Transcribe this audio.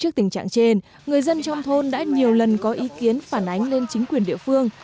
trước tình trạng trên người dân trong thôn đã nhiều lần có ý kiến phản ánh lên chính quyền địa phương